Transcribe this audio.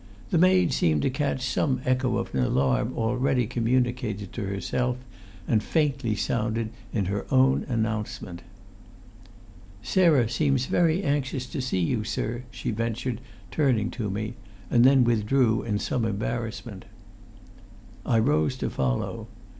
The maid seemed to catch some echo of an alarm already communicated to herself, and faintly sounded in her own announcement. "Sarah seems very anxious to see you, sir," she ventured, turning to me, and then withdrew in some embarrassment. I rose to follow.